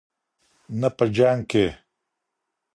نه په جنګ کې.